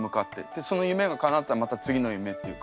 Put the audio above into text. でその夢がかなったらまた次の夢っていうか。